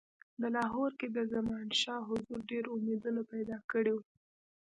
د لاهور کې د زمانشاه حضور ډېر امیدونه پیدا کړي وه.